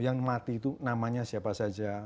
yang mati itu namanya siapa saja